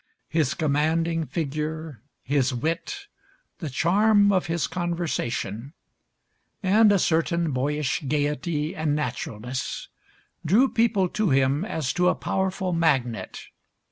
His commanding figure, his wit, the charm of his conversation, and a certain boyish gayety and naturalness, drew people to him as to a powerful magnet.